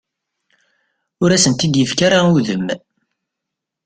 Ur asent-d-yefki ara udem.